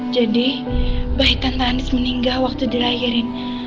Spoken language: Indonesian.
jadi bayi tante andis meninggal waktu dirayarin